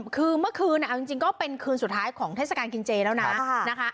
คือเมื่อคืนเอาจริงก็เป็นคืนสุดท้ายของเทศกาลกินเจแล้วนะ